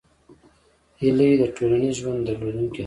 هیلۍ د ټولنیز ژوند درلودونکې ده